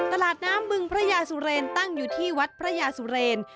ตลาดน้ำบึงพระยาสุเรนตั้งอยู่ที่วัดพระยาสุเรน